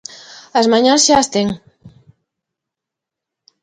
As mañas xa as ten.